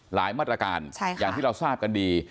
มาตรการอย่างที่เราทราบกันดี